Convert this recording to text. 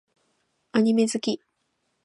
アニメ好き